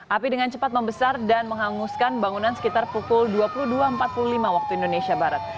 api dengan cepat membesar dan menghanguskan bangunan sekitar pukul dua puluh dua empat puluh lima waktu indonesia barat